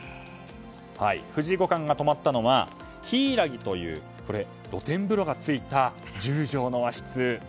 藤井五冠が泊まったのは柊という露天風呂がついた１０畳の和室。